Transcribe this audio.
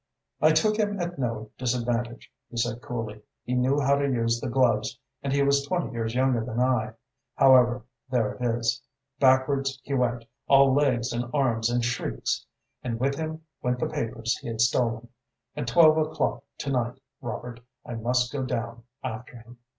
"I took him at no disadvantage," he said coolly. "He knew how to use the gloves and he was twenty years younger than I. However, there it is. Backwards he went, all legs and arms and shrieks. And with him went the papers he had stolen. At twelve o'clock to night, Robert, I must go down after him."